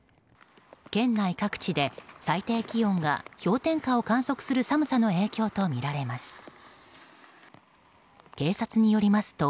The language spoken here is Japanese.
県内各地で、最低気温が氷点下を観測する寒さの影響とみられます。